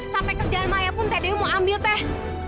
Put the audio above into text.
sampai kerjaan maya pun teh dewi mau ambil teh